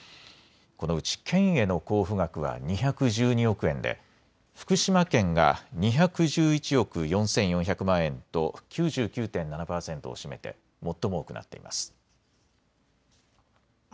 このうち県への交付額は２１２億円で福島県が２１１億４４００万円と９９．７％を占めて最も多くなっています。